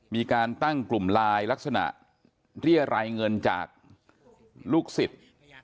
มีการตั้งกลุ่มลายตามราคาเรียยรายเงินจากลูกศิษย์